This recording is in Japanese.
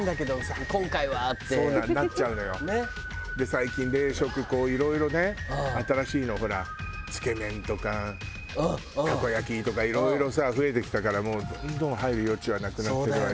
最近冷食いろいろね新しいのほらつけ麺とかたこ焼きとかいろいろさ増えてきたからどんどん入る余地はなくなってるわよ。